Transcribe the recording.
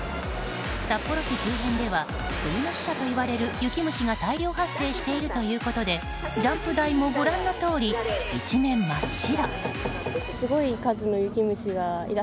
札幌市周辺では冬の使者といわれる雪虫が大量発生しているということでジャンプ台もご覧のとおり一面真っ白。